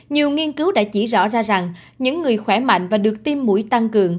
nhiều nghiên cứu đã chỉ rõ ra rằng những người khỏe mạnh và được tiêm mũi tăng cường